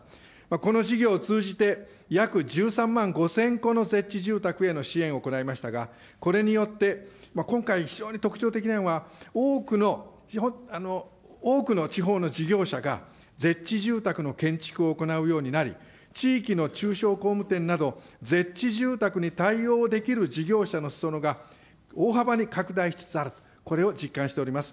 この事業を通じて、約１３万５０００戸のゼッチ住宅への支援を行いましたが、これによって、今回、非常に特徴的なのは、多くの地方の事業者が、ゼッチ住宅の建築を行うようになり、地域の中小工務店など、ゼッチ住宅に対応できる事業者のすそ野が大幅に拡大しつつある、これを実感しております。